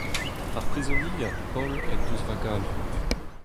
Ar prizoniad Paol en deus va galvet.